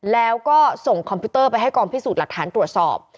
แล้วก็ส่งคอมพิวเตอร์ไปให้กองพิสูจน์หลักฐานตรวจสอบ